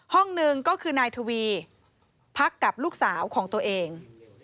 ห้องหนึ่งก็คือนายทวีพักกับลูกสาวของตัวเอง